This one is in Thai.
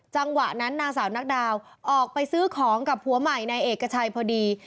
จังหวะนั้นนางสาวนักดาวออกไปซื้อของกับผัวใหม่นายเอกชัยพอดี